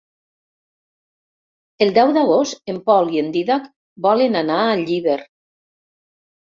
El deu d'agost en Pol i en Dídac volen anar a Llíber.